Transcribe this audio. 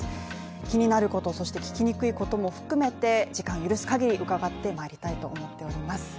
気になることそして聞きにくいこと含めて時間許すかぎり伺ってまいりたいと思います。